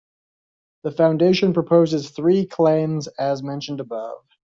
The Foundation proposes three claims as mentioned above.